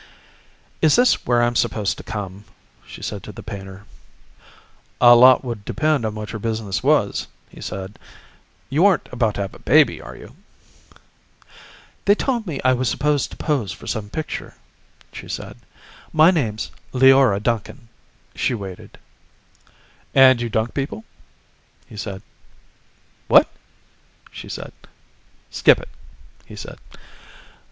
"Is this where I'm supposed to come?" she said to the painter. "A lot would depend on what your business was," he said. "You aren't about to have a baby, are you?" "They told me I was supposed to pose for some picture," she said. "My name's Leora Duncan." She waited. "And you dunk people," he said. "What?" she said. "Skip it," he said.